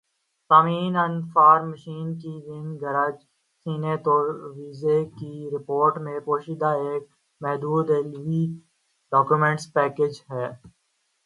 سامعین انفارمیشن کی گھن گرج سنیں تو ویزے کی رپورٹ میں پوشیدہ ایک محدود ایل وی ڈومیسٹک پیکج ہے